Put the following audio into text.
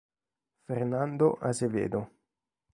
Fernando Azevedo